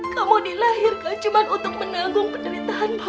kamu dilahirkan cuman untuk menanggung penderitaan mama